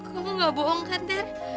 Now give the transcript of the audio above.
kamu gak bohong ter